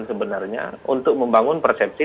sebenarnya untuk membangun persepsi